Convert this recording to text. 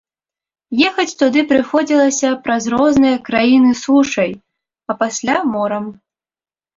Ехаць туды прыходзілася праз розныя краіны сушай, а пасля морам.